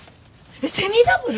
えっセミダブル！？